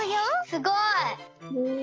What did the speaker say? すごい！